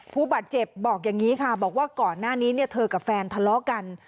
ผู้บาดเจ็บบอกอย่างนี้ค่ะบอกว่าก่อนหน้านี้เธอกับแฟนทะเลาะกัน